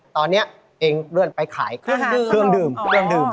ตอนนี้เองเล่นไปขายเครื่องดื่ม